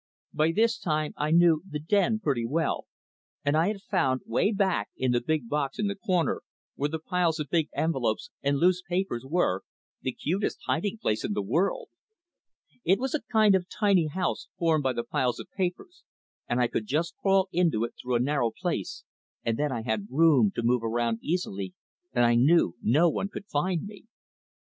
By this time I knew the "den" pretty well, and I had found, "way back" in the big box in the corner, where the piles of big envelopes and loose papers were, the cutest hiding place in the world. It was a kind of tiny house formed by the piles of papers and I could just crawl into it through a narrow place, and then I had room to move around easily, and I knew no one could find me.